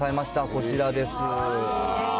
こちらです。